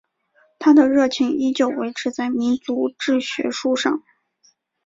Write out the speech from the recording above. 他的热情依旧维持在民族志学术上。